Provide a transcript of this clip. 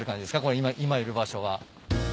この今いる場所は。